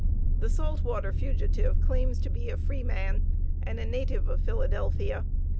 The salt water fugitive claims to be a free man, and a native of Philadelphia.